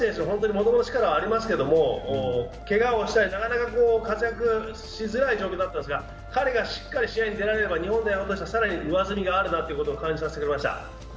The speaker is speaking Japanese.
もともと力ありますけどけがをしたり、なかなか活躍しづらい状況だったんですが、彼がしっかり試合に出られれば日本に対して上積みがあるなと思いました。